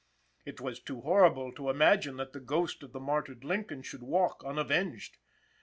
It was too horrible to imagine that the ghost of the martyred Lincoln should walk unavenged.